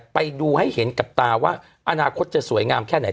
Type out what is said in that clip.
ไปดูให้เห็นกับตาว่าอนาคตจะสวยงามแค่ไหน